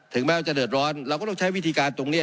แม้ว่าจะเดือดร้อนเราก็ต้องใช้วิธีการตรงนี้